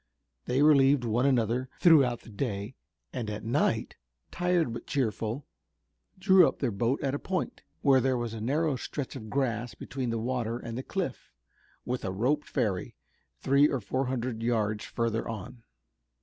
They relieved one another throughout the day and at night, tired but cheerful, drew up their boat at a point, where there was a narrow stretch of grass between the water and the cliff, with a rope ferry three or four hundred yards farther on.